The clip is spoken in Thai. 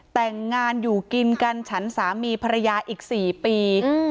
แต่งงานอยู่กินกันฉันสามีภรรยาอีก๔ปี